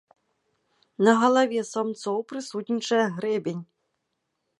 На галаве самцоў прысутнічае грэбень.